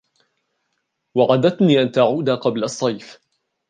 وعدتني أن تعود قبل الصيف.